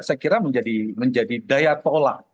saya kira menjadi daya pola